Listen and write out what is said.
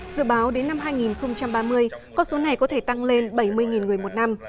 dự báo đến năm hai nghìn ba mươi con số này có thể tăng lên bảy mươi người một năm